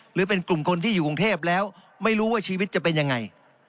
หรือเป็นกลุ่มคนที่อยู่กรุงเทพแล้วไม่รู้ว่าชีวิตจะเป็นยังไง